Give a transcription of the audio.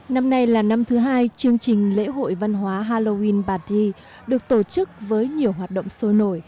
năm nay là năm thứ hai chương trình lễ hội văn hóa halloween bà ti được tổ chức với nhiều hoạt động sôi nổi